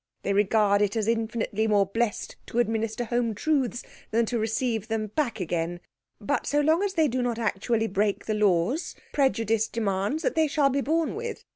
They regard it as infinitely more blessed to administer home truths than to receive them back again. But, so long as they do not actually break the laws, prejudice demands that they shall be borne with.